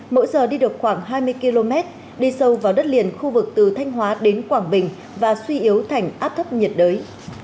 mỗi giờ đi được khoảng hai mươi km đi sâu vào đất liền khu vực từ thanh hóa đến quảng bình và suy yếu thành áp thấp nhiệt đới